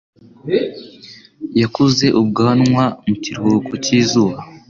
yakuze ubwanwa mu kiruhuko cyizuba.